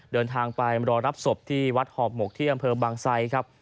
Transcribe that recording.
เดินทางไปรอรับศพที่วัดหอบหมกที่อำเภอบางไซครับ